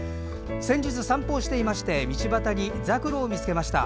先日、散歩をしていまして道端にザクロを見つけました。